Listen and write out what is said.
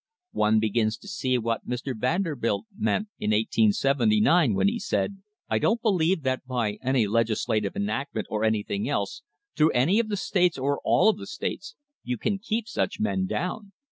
One begins to see what Mr. Vanderbilt meant in 1879 when he said: "I don't believe that by any legislative enactment or anything else, through any of the states or all of the states, you can keep such men down.